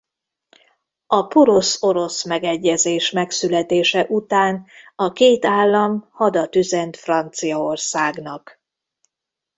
A porosz-orosz megegyezés megszületése után a két állam hadat üzent Franciaországnak.